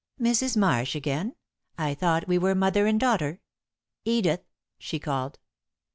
"Mrs. Marsh again? I thought we were mother and daughter. Edith!" she called.